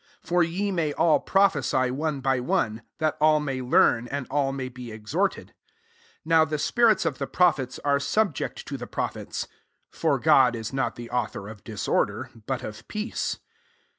31 For ye may all prophesy one by one ; that all may learn, and all may be exhorted. 32 Now the spirits of the prophets are subjebt to the prophets ; S3 (for God is not t/ie author of disorder, but of peace.)